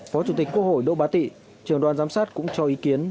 phó chủ tịch quốc hội đỗ bá tị trường đoàn giám sát cũng cho ý kiến